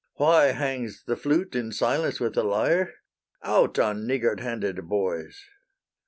Why hangs the flute in silence with the lyre? Out on niggard handed boys!